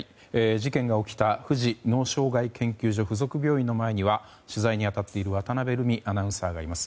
事件が起きた富士脳障害研究所附属病院の前には取材に当たっている渡辺瑠海アナウンサーがいます。